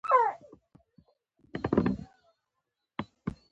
ده راته وویل چې سردار نصرالله خان ته به مې بوزي.